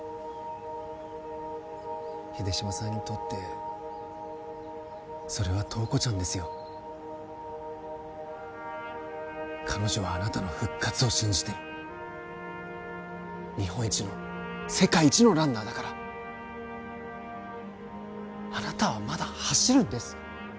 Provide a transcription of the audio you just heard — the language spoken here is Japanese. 秀島さんにとってそれは塔子ちゃんですよ彼女はあなたの復活を信じてる日本一の世界一のランナーだからあなたはまだ走るんです！